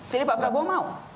jadi pak prabowo mau